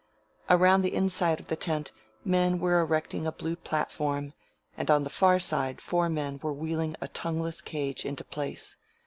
Around the inside of the tent men were erecting a blue platform, and on the far side four men were wheeling a tongueless cage into place.